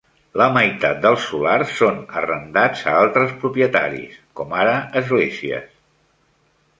La meitat dels solars són arrendats a altres propietaris, com ara esglésies.